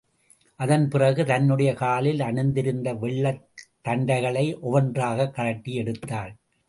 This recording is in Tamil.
அதன்பிறகு, தன்னுடைய காலில் அணிந்திருந்த வெள்ளித் தண்டைகளை ஒவ்வொன்றாகக் கழட்டி எடுத்தாள்.